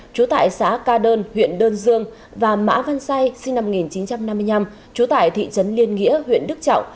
trú tại xã ca đơn huyện đơn dương và mã văn say sinh năm một nghìn chín trăm năm mươi năm trú tại thị trấn liên nghĩa huyện đức trọng